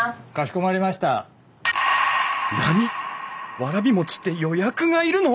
わらび餅って予約がいるの！？